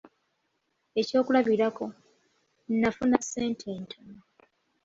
Ekyokulabirako: “Nafuna ssente ntono".